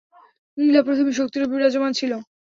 নীলা প্রথমে শক্তি রূপে বিরাজমান ছিল।